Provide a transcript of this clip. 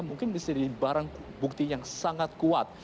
mungkin ini adalah barang bukti yang sangat kuat